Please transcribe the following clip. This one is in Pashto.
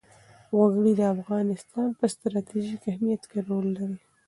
وګړي د افغانستان په ستراتیژیک اهمیت کې رول لري.